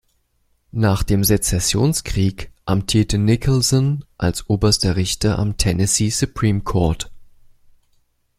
Nach dem Sezessionskrieg amtierte Nicholson als oberster Richter am Tennessee Supreme Court.